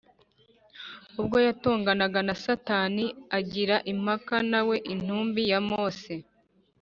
ubwo yatonganaga na satani agira impaka na we intumbi ya mose